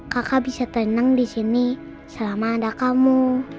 kakak bisa tenang di sini selama ada kamu